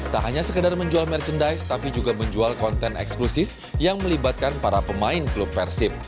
tak hanya sekedar menjual merchandise tapi juga menjual konten eksklusif yang melibatkan para pemain klub persib